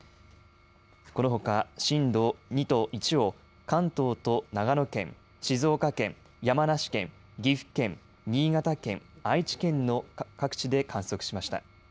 このほか震度２と１を関東と長野県、静岡県、山梨県、岐阜県、新潟県、愛知県の各地で観測しました。